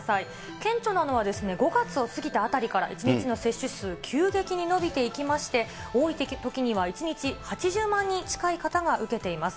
顕著なのは、５月を過ぎたあたりから１日の接種数、急激に伸びていきまして、多いときには、１日８０万人近い方が受けています。